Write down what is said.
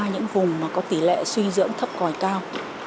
những vùng mà có tỷ lệ suy dưỡng thấp còi cao